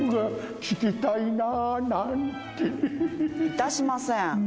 いたしません。